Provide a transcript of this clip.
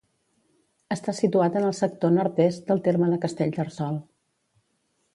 Està situat en el sector nord-est del terme de Castellterçol.